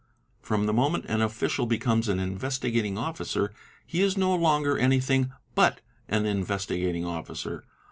From the moment an official becomes an Investigat ing Officer, he is no longer anything but an Investigating Officer.